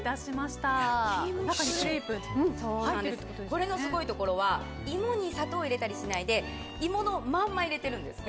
これのすごいところは芋に砂糖を入れたりしないで芋のまんま入れてるんです。